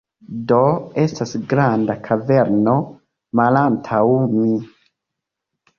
Do, estas granda kaverno malantaŭ mi